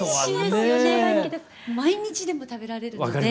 毎日でも食べられるので。